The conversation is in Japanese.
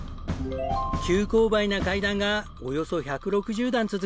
急勾配な階段がおよそ１６０段続くんです。